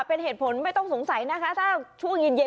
เป็นเหตุผลไม่ต้องสงสัยนะคะถ้าช่วงเย็นเย็น